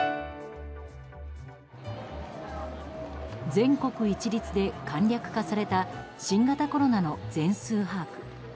全国一律で簡略化された新型コロナの全数把握。